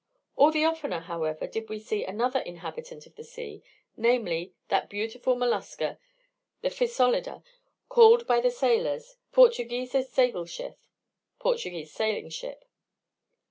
All the oftener, however, did we see another inhabitant of the sea, namely, that beautiful mollusca, the physolida, called by the sailors Portugiesisches Segel schiff; (Portuguese sailing ship.)